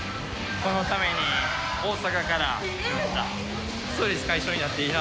このために大阪から来ました。